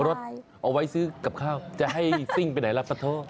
รถเอาไว้ซื้อกับข้าวจะให้ซิ่งไปไหนรับสะโทษ